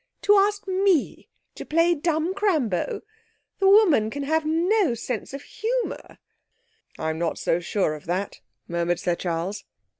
To ask me to play dumb crambo! The woman can have no sense of humour!' 'I'm not so sure of that,' murmured Sir Charles.